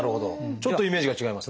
ちょっとイメージが違いますね。